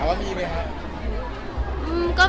ค่ะว่ามีไหมฮะ